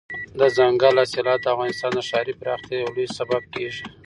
دځنګل حاصلات د افغانستان د ښاري پراختیا یو لوی سبب کېږي.